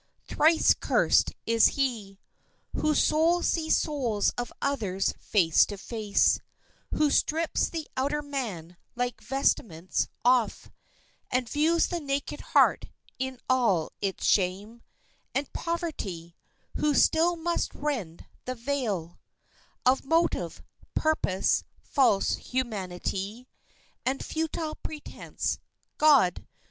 Thrice cursed is he Whose soul sees souls of others face to face, Who strips the outer man like vestments off And views the naked heart in all its shame And poverty; who still must rend the veil Of motive, purpose, false humanity And futile pretense! God!